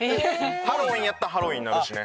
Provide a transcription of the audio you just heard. ハロウィンやったらハロウィンになるしね。